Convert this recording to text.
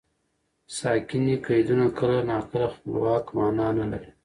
ساکني قیدونه کله ناکله خپلواکه مانا نه لري.